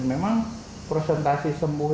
dan memang presentasi sembuh